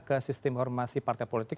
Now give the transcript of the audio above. ke sistem hormasi partai politik